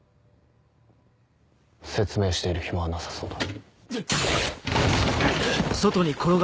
説明している暇はなさそうだ。